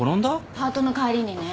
パートの帰りにね